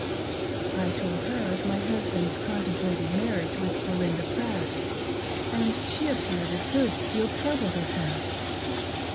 I told her of my husband's contem plated marriage with Belinda Pratt, and she appeared a good deal troubled at it.